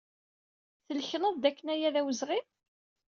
Tlekned dakken aya d awezɣi?